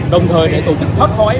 đồng thời để tổ chức thoát khói